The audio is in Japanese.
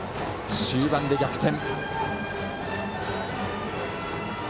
終盤で逆転。